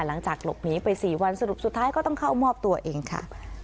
หลังจากหลบหนีไป๔วันสรุปสุดท้ายก็ต้องเข้ามอบตัวเองค่ะ